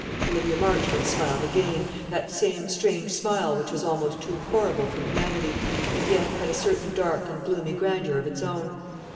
Olivia Marchmont smiled again, that same strange smile which was almost too horrible for humanity, and yet had a certain dark and gloomy grandeur of its own.